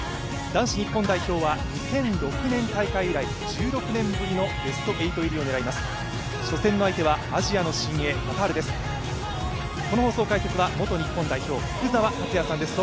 男子日本代表は２００６年大会以来１６年ぶりのベスト８入りを狙います